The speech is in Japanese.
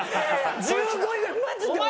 １５位はマジで俺。